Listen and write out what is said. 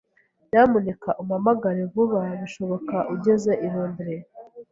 Nyamuneka umpamagare vuba bishoboka ugeze i Londres.